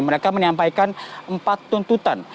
mereka menyampaikan empat tuntutan